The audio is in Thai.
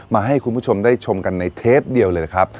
มาให้คุณผู้ชมได้ชมกันในเทปเดียวเลยนะครับ